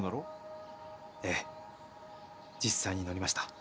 ええ実際に乗りました。